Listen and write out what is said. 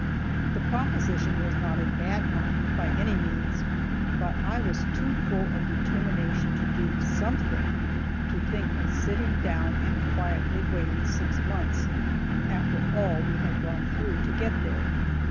The proposition was not a bad one, by any means; but I was too full of determination to do something, to think of sitting down and quietly waiting six months, after all we had gone through, to get there.